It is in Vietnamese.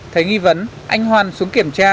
thấy nghi vấn anh hoàn xuống kiểm tra